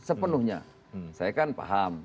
sepenuhnya saya kan paham